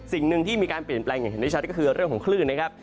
สิ่งหนึ่งที่มีการเปลี่ยนแปลงอย่างเห็นได้ชัดก็คือเรื่องของคลื่นนะครับ